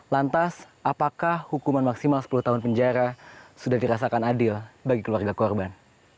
lantas apakah hukuman maksimal sepuluh tahun penjara sudah dirasakan adil bagi keluarga korban